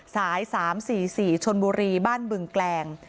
สาย๓๔๔ชนบุรีบ้านบึงแกลง